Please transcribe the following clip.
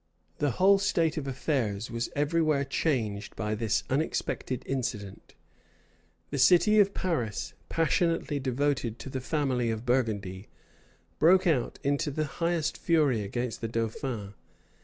The whole state of affairs was every where changed by this unexpected incident. The city of Paris, passionately devoted to the family of Burgundy, broke out into the highest fury against the dauphin.